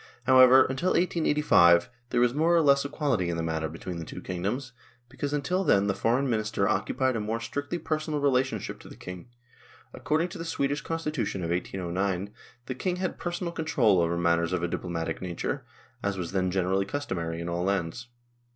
However, until 1885, there was more or less equality in the matter between the two kingdoms, because until then the Foreign Minister occupied a more strictly personal relationship to the King. According to the Swedish constitution of 1809, the King had personal control over matters of a diplomatic nature, as was then generally customary in all lands.